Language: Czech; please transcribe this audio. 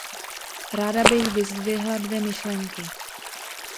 Ráda bych vyzdvihla dvě myšlenky.